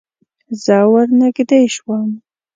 زه ور نږدې شوم.